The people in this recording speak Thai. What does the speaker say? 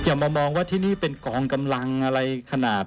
อย่ามามองว่าที่นี่เป็นกองกำลังอะไรขนาด